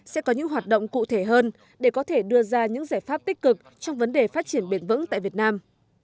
sẽ có những hoạt động cụ thể hơn để có thể đưa ra những giải pháp tích cực trong vấn đề phát triển bền vững tại việt nam